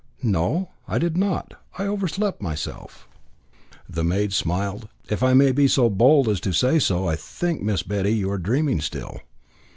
"No; I did not. I overslept myself." The maid smiled. "If I may be so bold as to say so, I think, Miss Betty, you are dreaming still."